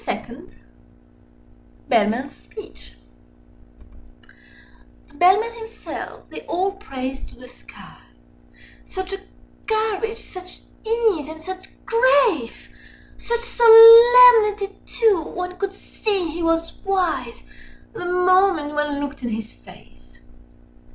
Fit the Second THE BELLMAN'S SPEECH The Bellman himself they all praised to the skies— Â Â Â Â Such a carriage, such ease and such grace! Such solemnity, too! One could see he was wise, Â Â Â Â The moment one looked in his face!